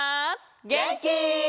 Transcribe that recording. げんき？